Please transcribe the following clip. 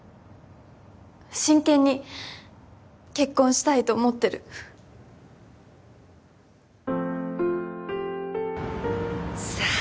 真剣に結婚したいと思ってるさあ